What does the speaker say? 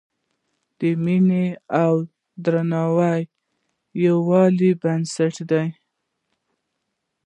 مینه او درناوی د یووالي بنسټ دی.